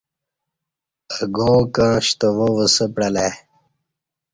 اہ گا کں ݜتوا وسہ پعلہ ای